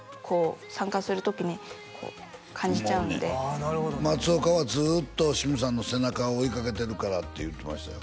なるほど松岡はずっとシムさんの背中を追いかけてるからって言うてましたよ